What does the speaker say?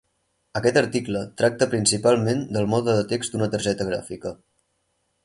Aquest article tracta principalment del mode de text d'una targeta gràfica.